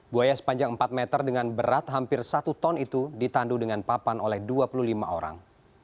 buaya sepanjang empat meter dengan berat hampir satu ton itu ditandu dengan papan oleh dua puluh lima orang